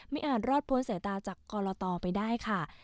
อาจรอดพ้นสายตาจากกรตไปได้ค่ะ